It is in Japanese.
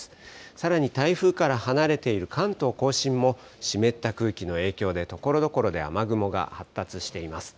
さらに台風から離れている関東甲信も、湿った空気の影響でところどころで雨雲が発達しています。